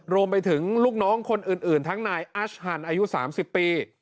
รวมไปถึงลูกน้องคนอื่นทั้งนายอัชฮันอายุ๓๐ปี